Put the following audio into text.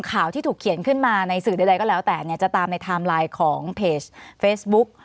ข่าวที่ถูกเขียนขึ้นมาในสื่อใดก็แล้วแต่เนี่ยจะตามในไทม์ไลน์ของเพจเฟซบุ๊ก